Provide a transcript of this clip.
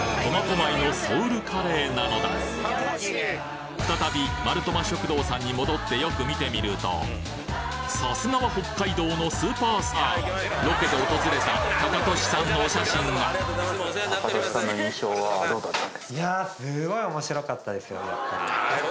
苫小牧のソウルカレーなのだ再びマルトマ食堂さんに戻ってよく見てみるとさすがは北海道のスーパースターさんのお写真がいや。